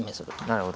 なるほど。